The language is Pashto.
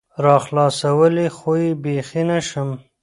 راخلاصولى خو يې بيخي نشم